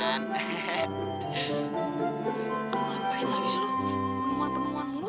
ngapain lagi selalu penemuan penemuan mulu